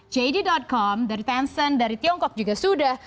jd com dari tencent dari tiongkok juga sudah